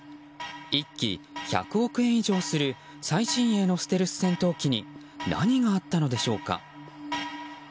１機１００億円以上する最新鋭のステルス戦闘機に何があったのでしょうか。